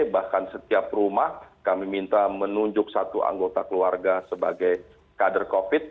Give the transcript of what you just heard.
bahkan setiap rumah kami minta menunjuk satu anggota keluarga sebagai kader covid